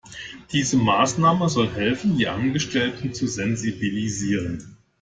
Diese Maßnahme soll helfen, die Angestellten zu sensibilisieren.